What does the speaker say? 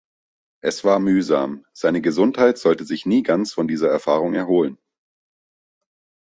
Es war mühsam – seine Gesundheit sollte sich nie ganz von dieser Erfahrung erholen.